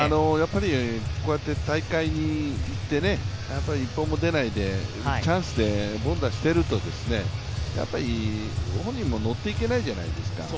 こうやって大会に行って１本も出ないでチャンスで凡打していると、本人ものっていけないじゃないですか。